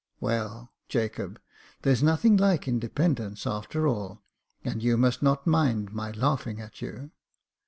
Well, Jacob, there's nothing like independence, after all, and you must not mind my laughing at you."